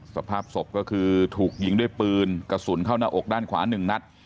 สภาพศพก็คือถูกยิงด้วยปืนกระสุนเข้าหน้าอกด้านขวา๑นัด